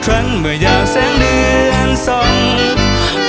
คลั้นเมื่อยามแสงเรื่องส่อง